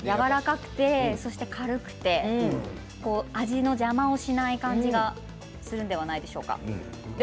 おっしゃるとおりやわらかくて軽くて味の邪魔をしない感じがするのではないでしょうか。